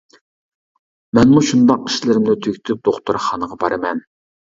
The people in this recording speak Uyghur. مەنمۇ شۇنداق ئىشلىرىمنى تۈگىتىپ دوختۇرخانىغا بارىمەن.